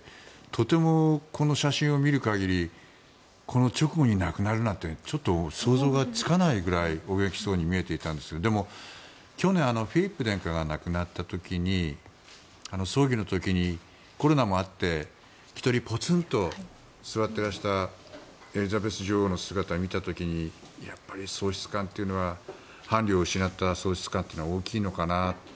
とてもこの写真を見る限りこの直後に亡くなるなんてちょっと想像がつかないぐらいお元気そうに見えていましたがでも、去年フィリップ殿下が亡くなった時に葬儀の時に、コロナもあって１人、ポツンと座っていらしたエリザベス女王の姿を見た時にやっぱり伴侶を失った喪失感というのは大きいのかなと。